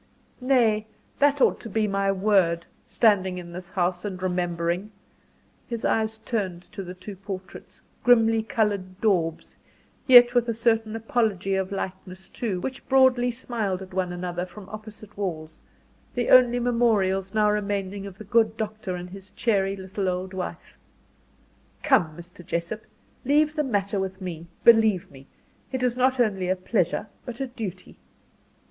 "Nay, that ought to be my word, standing in this house, and remembering" His eyes turned to the two portraits grimly coloured daubs, yet with a certain apology of likeness too, which broadly smiled at one another from opposite walls the only memorials now remaining of the good doctor and his cheery little old wife. "Come, Mr. Jessop, leave the matter with me; believe me, it is not only a pleasure, but a duty."